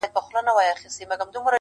o څوک دي نه ګوري و علم او تقوا ته,